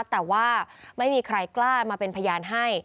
แต่ว่าไม่มีใครกล้ามาเป็นพยานให้